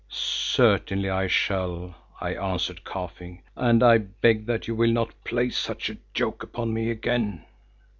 "Certainly I shall," I answered, coughing, "and I beg that you will not play such a joke upon me again."